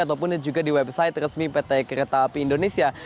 ataupun juga di website resmi pt kereta api indonesia